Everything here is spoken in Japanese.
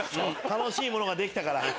楽しいものができたから。